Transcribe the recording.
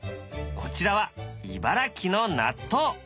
こちらは茨城の納豆。